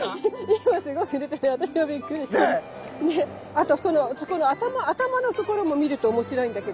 あとここの頭のところも見るとおもしろいんだけど。